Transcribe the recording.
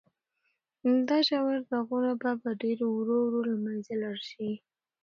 دا ژور داغونه به په ډېرې ورو ورو له منځه لاړ شي.